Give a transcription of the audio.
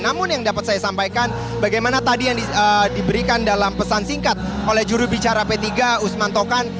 namun yang dapat saya sampaikan bagaimana tadi yang diberikan dalam pesan singkat oleh jurubicara p tiga usman tokan